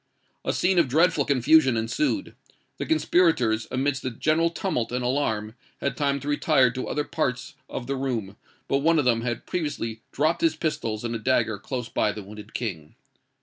A scene of dreadful confusion ensued. The conspirators, amidst the general tumult and alarm, had time to retire to other parts of the room; but one of them had previously dropped his pistols and a dagger close by the wounded King.